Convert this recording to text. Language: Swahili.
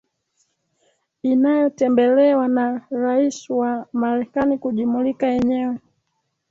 inayotembelewa na Rais wa Marekani kujimulika yenyewe